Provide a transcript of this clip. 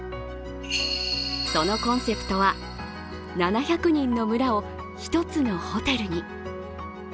そのコンセプトは７００人の村を１つのホテルに。